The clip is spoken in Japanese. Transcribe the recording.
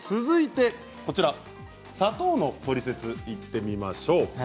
続いて砂糖のトリセツにいってみましょう。